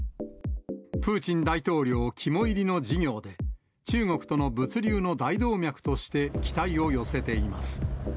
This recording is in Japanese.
プーチン大統領肝煎りの事業で、中国との物流の大動脈として期待を寄せています。